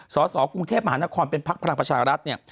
สสกรุงเทพมหานครเป็นพักพลังประชารัฐเนี่ย